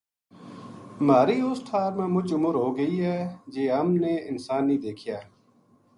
مہاری اس ٹھار ما مچ عمر ہو گئی ہے جی ہم نے انسان نیہہ دیکھیا